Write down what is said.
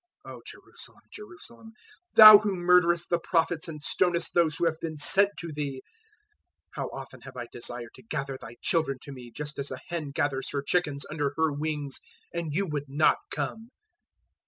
023:037 "O Jerusalem, Jerusalem! thou who murderest the Prophets and stonest those who have been sent to thee! how often have I desired to gather thy children to me, just as a hen gathers her chickens under her wings, and you would not come!